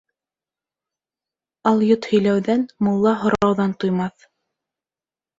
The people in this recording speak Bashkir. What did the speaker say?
Алйот һөйләүҙән, мулла һорауҙан туймаҫ.